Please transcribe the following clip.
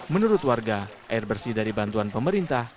menurut warga air bersih dari bantuan pemerintah